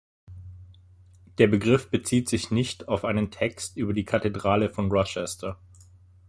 Der Begriff bezieht sich nicht auf einen Text über die Kathedrale von Rochester.